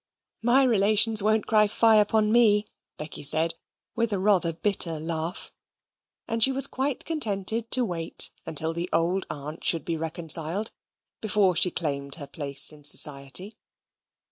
"My relations won't cry fie upon me," Becky said, with rather a bitter laugh; and she was quite contented to wait until the old aunt should be reconciled, before she claimed her place in society.